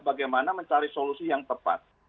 bagaimana mencari solusi yang tepat